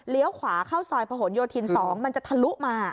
ขวาเข้าซอยผนโยธิน๒มันจะทะลุมา